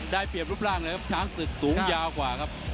ได้เปรียบรูปร่างเลยครับช้างศึกสูงยาวกว่าครับ